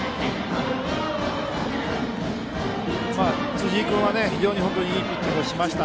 辻井君は本当にいいピッチングをしました。